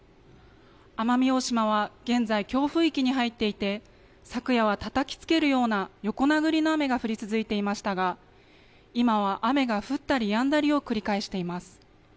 奄美大島は現在、強風域に入っていて、昨夜はたたきつけるような横殴りの雨が降り続いていましたが、今は雨が降ったりやんだりを繰り返しています。